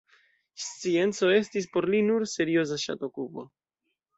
Scienco estis por li nur serioza ŝatokupo.